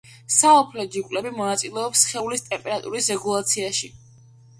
საოფლე ჯირკვლები მონაწილეობს სხეულის ტემპერატურის რეგულაციაში.